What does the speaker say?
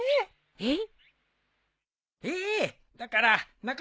えっ？